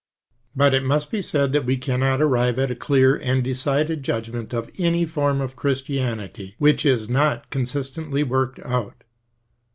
But it must be said that we cannot arrive at a clear and decided judgment of any form of Christianity which is not consistently worked out.